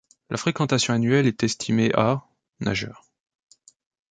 La fréquentation annuelle est estimée à nageurs.